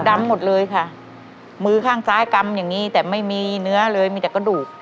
ดำหมดเลยค่ะมือข้างซ้ายกำอย่างนี้แต่ไม่มีเนื้อเลยมีแต่กระดูก